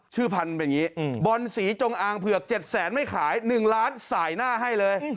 พันธุ์เป็นอย่างนี้บอลสีจงอางเผือก๗แสนไม่ขาย๑ล้านสายหน้าให้เลย